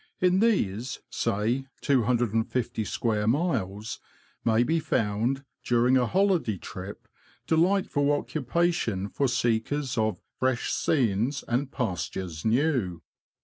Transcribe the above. In these, say, 250 square miles, may be found, during a holiday trip, delightful occupation for seekers of "fresh scenes and pastures new."